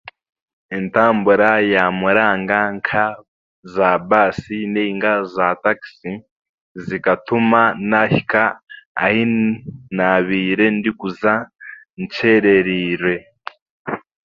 Entambura ya muranga nka za baasi nainga za takisi zikatuma naihika ahi naabaire ndikuza nkyererirwe